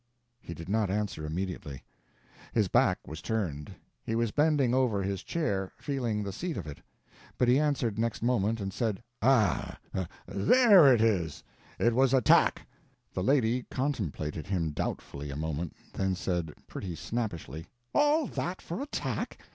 He did not answer immediately. His back was turned; he was bending over his chair, feeling the seat of it. But he answered next moment, and said: "Ah, there it is; it was a tack." The lady contemplated him doubtfully a moment, then said, pretty snappishly: "All that for a tack!